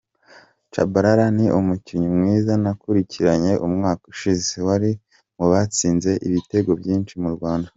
Tchabalala ni umukinnyi mwiza nakurikiranye umwaka ushize, wari mu batsinze ibitego byinshi mu Rwanda.